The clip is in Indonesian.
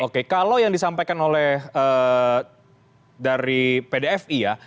oke kalau yang disampaikan oleh dari pdfi ya